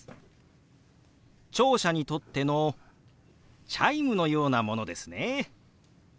聴者にとってのチャイムのようなものですね。